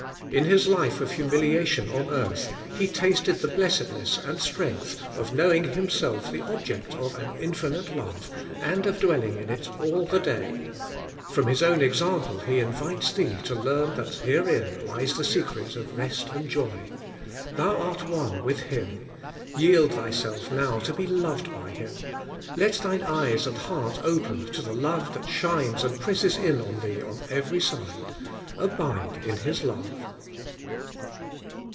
In His life of humiliation on earth He tasted the blessedness and strength of knowing Himself the object of an infinite love, and of dwell ing in it all the day; from His own example He in vites thee to learn that herein lies the secret of rest AS CHRIST IN THE FATHER, 173 and joy. Thou art one with Him : yield thyself now to be loYed by Him ; let thine eyes and heart open to the love that shines and presses in on thee on every side. Abide in His love.